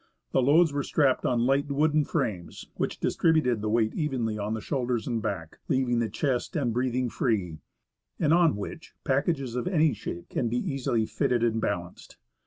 The loads were strapped on light wooden frames, which distribute the weight evenly on shoulders and back, leaving the chest and breathing free, and on which pack ages of any shape can be easily fitted and balanced.